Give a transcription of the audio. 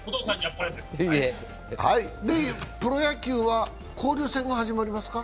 プロ野球は交流戦が始まりますか？